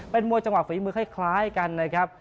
เป็นมวยจังหวะฝีมือคล้ายกันนะครับ